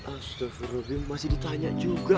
astaghfirullah bim masih ditanya juga